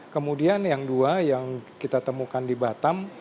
kemudian yang dua yang kita temukan di batam